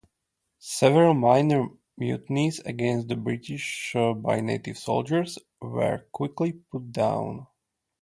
Several minor mutinies against the British by native soldiers were quickly put down.